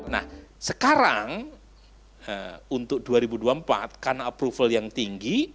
nah sekarang untuk dua ribu dua puluh empat karena approval yang tinggi